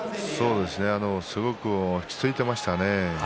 すごく落ち着いていましたね。